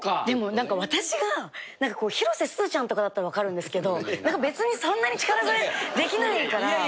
でも何か私が広瀬すずちゃんとかだったら分かるんですけど別にそんなに力添えできないから。